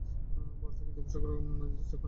ভারতে কিন্তু উপাসকদের যথেষ্ট কাণ্ডজ্ঞান ছিল।